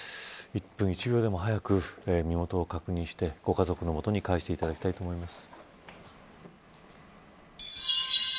１分１秒でも早く身元を確認して、ご家族のもとに帰していただきたいと思います。